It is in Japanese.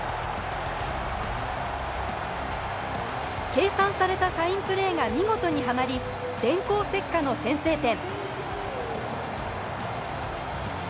計算されたサインプレーが見事にはまり、電光石火の先制点。